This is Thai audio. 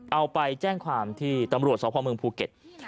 เอาไปแจ้งความที่ตำรวจสพเมืองภูเก็ต